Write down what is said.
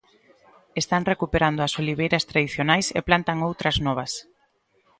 Están recuperando as oliveiras tradicionais, e plantan outras novas.